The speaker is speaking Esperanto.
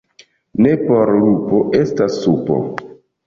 Ne por lupo estas supo.